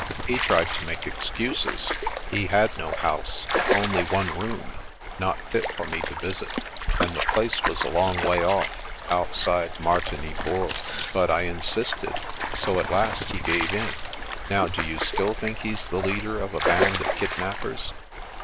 He tried to make excuses; he had no house, only one room, not fit for me to visit; and the place was a long way off, outside Martigny Bourg; but I insisted, so at last he gave in. Now, do you still think he's the leader of a band of kid nappers